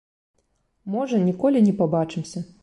Можа, ніколі не пабачымся.